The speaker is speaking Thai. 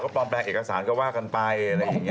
ปลอมแปลงเอกสารก็ว่ากันไปอะไรอย่างนี้